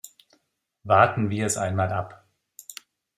Warten wir es einmal ab.